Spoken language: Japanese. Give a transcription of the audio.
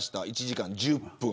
１時間１０分。